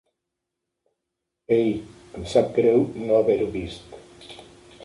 Ei, em sap greu no haver-ho vist.